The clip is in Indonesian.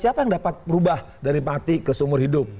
siapa yang dapat berubah dari mati ke seumur hidup